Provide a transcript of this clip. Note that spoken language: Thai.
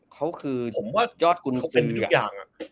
เขาคือยอดกุลสือผมว่าเขาเป็นทุกอย่าง